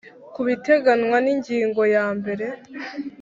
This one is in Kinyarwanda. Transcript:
ku biteganywa ni ngingo ya mbere